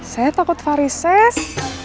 saya takut parises